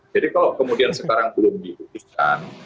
jadi kalau kemudian sekarang belum diutuskan